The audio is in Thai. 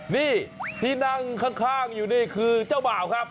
นี่ที่นั่งข้างอยู่นี่คือเจ้าบ่าวครับ